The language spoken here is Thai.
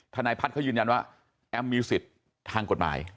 นายพัฒน์เขายืนยันว่าแอมมีสิทธิ์ทางกฎหมาย